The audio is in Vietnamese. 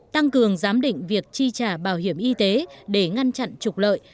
tăng cường giám định việc chi trả bảo hiểm y tế để ngăn chặn trục lợi